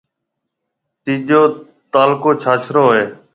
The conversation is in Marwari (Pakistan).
تيجو تعلقو ڇاڇرو ھيََََ